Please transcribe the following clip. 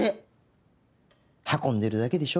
「運んでるだけでしょ？